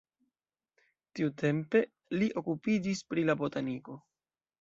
Tiutempe li okupiĝis pri la botaniko.